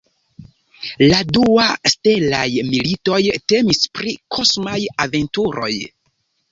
La dua ""Stelaj Militoj"" temis pri kosmaj aventuroj.